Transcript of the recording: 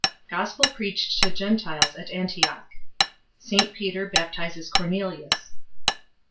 Gospel preached to Gentiles at Antioch. St Peter baptizes Cornelius.